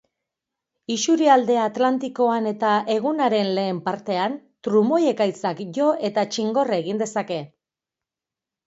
Isurialde atlantikoan eta egunaren lehen partean, trumoi-ekaitzak jo eta txingorra egin dezake.